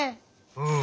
うん。